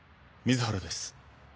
水原です。